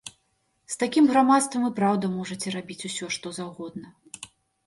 З такім грамадствам і праўда можаце рабіць усе, што заўгодна.